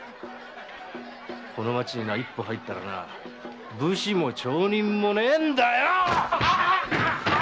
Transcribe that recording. この街に一歩入ったらな武士も町人もねえんだよ！